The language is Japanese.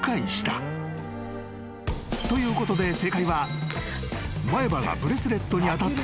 ［ということで正解は］